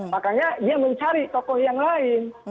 makanya dia mencari tokoh yang lain